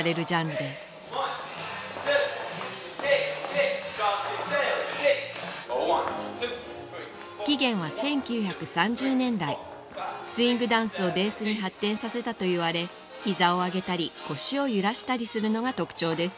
・ Ｏｎｅｔｗｏ ・ Ｏｎｅｔｗｏｔｈｒｅｅ． 起源は１９３０年代スイングダンスをベースに発展させたといわれ膝を上げたり腰を揺らしたりするのが特徴です